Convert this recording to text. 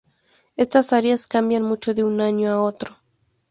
Estas áreas cambian mucho de un año a otro.